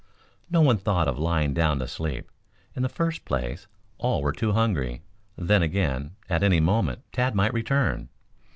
No one thought of lying down to sleep. In the first place, all were too hungry. Then, again, at any moment Tad might return.